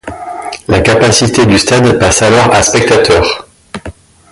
La capacité du stade passe alors à spectateurs.